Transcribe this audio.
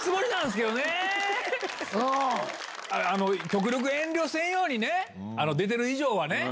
極力遠慮せんようにね出てる以上はね。